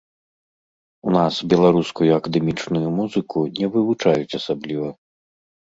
У нас беларускую акадэмічную музыку не вывучаюць асабліва.